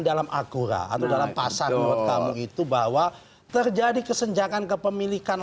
dalam akura atau dalam pasar menurut kamu itu bahwa terjadi kesenjakan kepemilikan